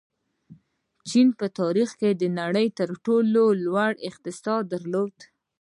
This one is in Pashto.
چین په تاریخ کې د نړۍ تر ټولو لوی اقتصاد درلود.